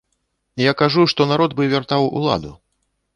Я кажу, што народ бы вяртаў уладу.